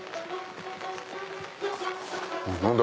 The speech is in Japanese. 何だ？